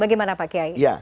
bagaimana pak kiai